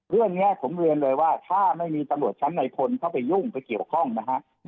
เรื่องนี้ผมเรียนเลยว่าถ้าไม่มีตำรวจชั้นในคนเข้าไปยุ่งไปเกี่ยวข้องนะฮะ